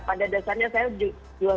pada dasarnya saya juang